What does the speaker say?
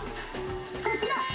こちら！